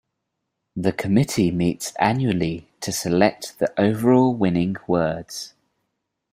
The Committee meets annually to select the overall winning words.